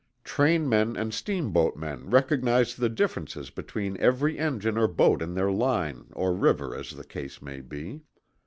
Trainmen and steamboat men recognize the differences between every engine or boat on their line, or river, as the case may be.